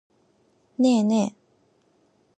ねえねえ。